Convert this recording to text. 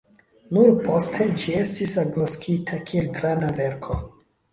Nur poste ĝi estis agnoskita kiel granda verko.